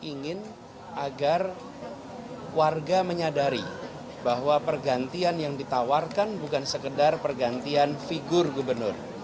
ingin agar warga menyadari bahwa pergantian yang ditawarkan bukan sekedar pergantian figur gubernur